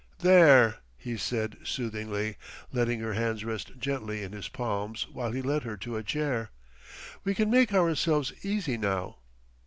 "There!" he said soothingly, letting her hands rest gently in his palms while he led her to a chair. "We can make ourselves easy now."